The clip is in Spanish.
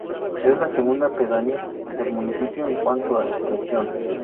Es la segunda pedanía del municipio en cuanto a extensión.